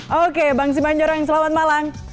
oke bang simanjorong selamat malam